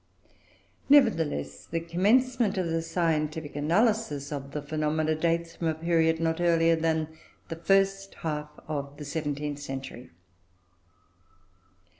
Nevertheless, the commencement of the scientific analysis of the phenomena dates from a period not earlier than the first half of the seventeenth century.